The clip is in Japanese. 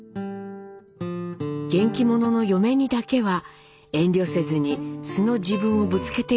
元気者の嫁にだけは遠慮せずに素の自分をぶつけていたのかもしれません。